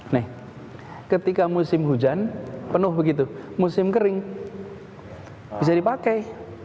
nih ketika musim hujan penuh begitu musim kering bisa dipakai